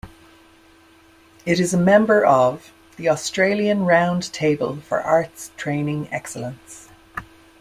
It is a member of the "Australian Roundtable for Arts Training Excellence".